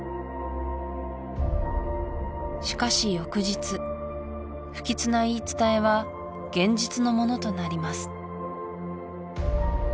しかし翌日不吉な言い伝えは現実のものとなります